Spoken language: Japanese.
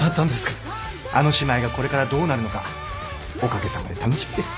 あの姉妹がこれからどうなるのかおかげさまで楽しみです。